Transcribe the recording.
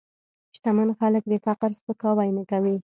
شتمن خلک د فقر سپکاوی نه کوي.